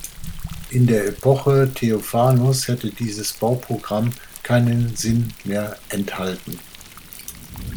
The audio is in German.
In der Epoche Theophanus hätte dieses Bauprogramm keinen Sinn mehr enthalten.